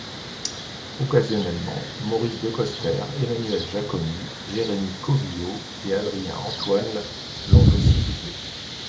Occasionnellement, Maurice Decoster, Emmanuel Jacomy, Jérémie Covillault et Adrien Antoine l'ont aussi doublés.